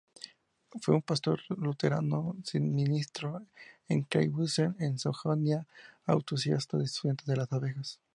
Fue un pastor luterano, ministro en Klein-Bautzen en Sajonia, entusiasta estudiante de las abejas.